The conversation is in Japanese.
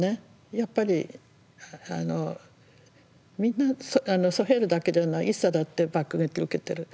やっぱりみんなソヘイルだけではないイッサだって爆撃を受けてる。